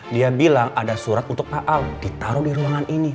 dia bilang ada surat untuk pak ahok ditaruh di ruangan ini